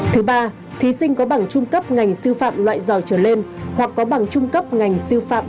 thứ ba thí sinh có bằng trung cấp ngành sư phạm loại giỏi trở lên hoặc có bằng trung cấp ngành sư phạm